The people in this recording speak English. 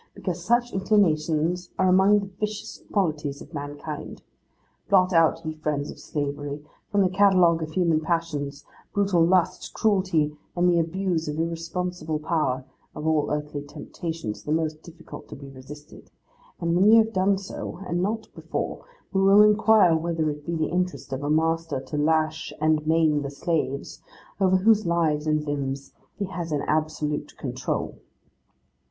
Because such inclinations are among the vicious qualities of mankind. Blot out, ye friends of slavery, from the catalogue of human passions, brutal lust, cruelty, and the abuse of irresponsible power (of all earthly temptations the most difficult to be resisted), and when ye have done so, and not before, we will inquire whether it be the interest of a master to lash and maim the slaves, over whose lives and limbs he has an absolute control!